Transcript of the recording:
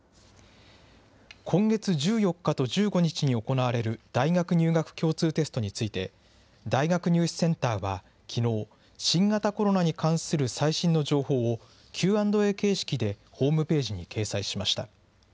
今月１４日と１５日に行われる大学入学共通テストについて、大学入試センターはきのう、新型コロナに関する最新の情報を、Ｑ＆Ａ形式でホームページに掲載しました。